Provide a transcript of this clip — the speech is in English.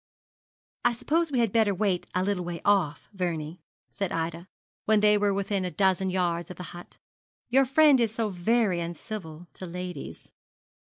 'I suppose we had better wait a little way off, Vernie,' said Ida, when they were within a dozen yards of the hut. 'Your friend is so very uncivil to ladies.'